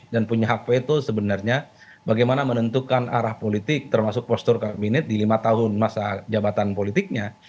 dan punya hak fitur sebenarnya bagaimana menentukan arah politik termasuk postur kabinet di lima tahun masa jabatan politiknya